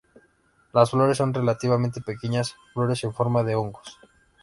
Las flores son relativamente pequeñas flores en forma de hongos.